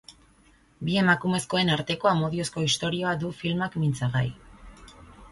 Bi emakumezkoen arteko amodiozko istorioa du filmak mintzagai.